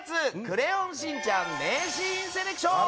「クレヨンしんちゃん」名シーンセレクション。